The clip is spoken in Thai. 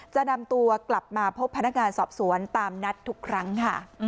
จะนำตัวกลับมาพบพนักงานสอบสวนตามนัดทุกครั้งค่ะ